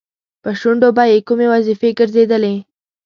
په شونډو به یې کومې وظیفې ګرځېدلې؟